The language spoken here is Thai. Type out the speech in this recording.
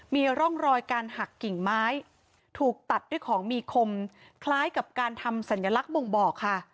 มีร่องรอยการหักกิ่งไม้ถูกตัดด้วยของมีคมคล้ายกับการทำสัญลักษณ์บ่งบอกค่ะ